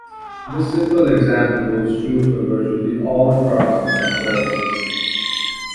This simple example holds true for virtually all products and services.